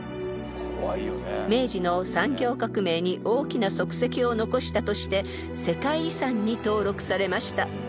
［明治の産業革命に大きな足跡を残したとして世界遺産に登録されました］